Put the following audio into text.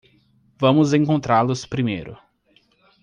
Vamos encontrá-los primeiro.